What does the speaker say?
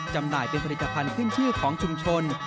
จำหน่ายเป็นผลิตภัณฑ์ขึ้นชื่อของชุมชน